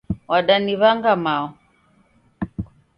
Wadaniw'anga mao.